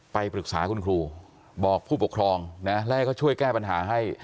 ไปปรึกษาคุณครูบอกผู้ปกครองนะแล้วให้เขาช่วยแก้ปัญหาให้